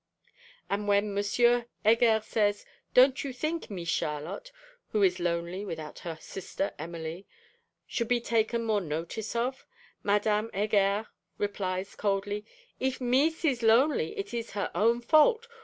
And when M. Heger says, 'Don't you think, "Mees Charlotte," who is lonely without her sister Emily, should be taken more notice of?' Madame Heger replies coldly: '_If "Mees" is lonely, it is her own fault.